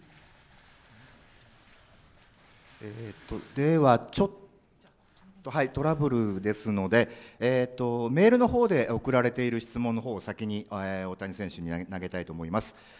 では、ちょっとトラブルですので、メールのほうで送られている質問のほうを先に大谷選手に投げたいと思います。